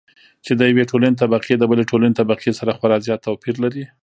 چې د يوې ټولنې طبقې د بلې ټولنې طبقې سره خورا زيات توپېر لري.